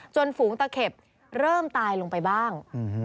ฝูงตะเข็บเริ่มตายลงไปบ้าง